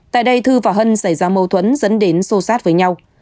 tại đây thư và hân xảy ra mâu thuẫn dẫn đến xô sát với nhau